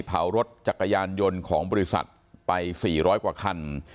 เผารถจักรยานยนต์ของบริษัทไป๔๐๐กว่าคัน